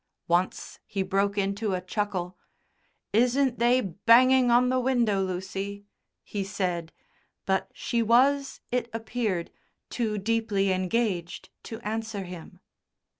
Once he broke into a chuckle. "Isn't they banging on the window, Lucy?" he said, but she was, it appeared, too deeply engaged to answer him.